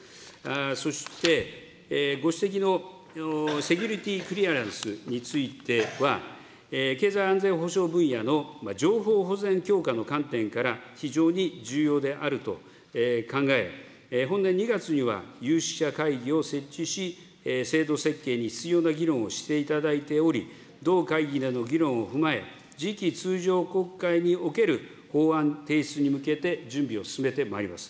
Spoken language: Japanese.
そして、ご指摘のセキュリティ・クリアランスについては、経済安全保障分野の情報保全強化の観点から非常に重要であると考え、本年２月には有識者会議を設置し、制度設計に必要な議論をしていただいており、同会議での議論を踏まえ、次期通常国会における法案提出に向けて、準備を進めてまいります。